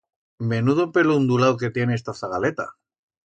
Menudo pelo undulau que tiene esta zagaleta.